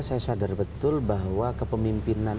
saya sadar betul bahwa kepemimpinan